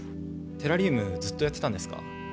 テラリウムずっとやってたんですか？